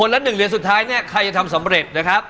และ๑เหรียญสุดท้ายเนี่ยใครจะทำสำเร็จนะครับ